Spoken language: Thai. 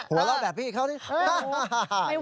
หัวร้อยแบบพี่เขาก็เอาอยู่